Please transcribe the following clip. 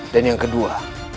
dan yang kedua